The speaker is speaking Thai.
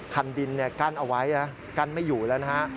คันดินกั้นเอาไว้นะกั้นไม่อยู่แล้วนะฮะ